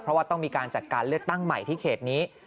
เพราะว่าต้องมีการจัดการเลือกตั้งใหม่ที่เขตนี้